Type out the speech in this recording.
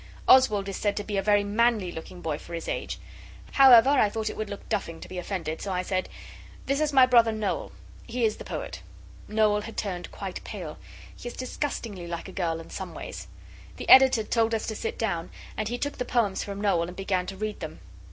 Oswald is said to be a very manly looking boy for his age. However, I thought it would look duffing to be offended, so I said 'This is my brother Noel. He is the poet.' Noel had turned quite pale. He is disgustingly like a girl in some ways. The Editor told us to sit down, and he took the poems from Noel, and began to read them.